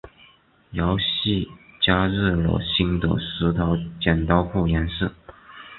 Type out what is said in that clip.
游戏加入了新的石头剪刀布元素。